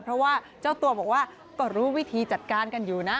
เพราะว่าเจ้าตัวบอกว่าก็รู้วิธีจัดการกันอยู่นะ